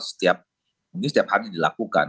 setiap mungkin setiap hari dilakukan